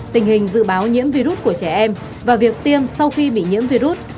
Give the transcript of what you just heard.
tình hình dự báo nhiễm virus của trẻ em và việc tiêm sau khi bị nhiễm virus